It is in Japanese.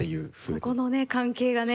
ここの関係がね